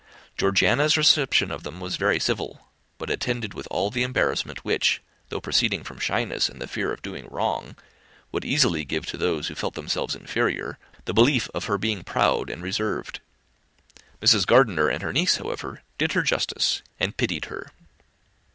Georgiana's reception of them was very civil, but attended with all that embarrassment which, though proceeding from shyness and the fear of doing wrong, would easily give to those who felt themselves inferior the belief of her being proud and reserved. Mrs. Gardiner and her niece, however, did her justice, and pitied her.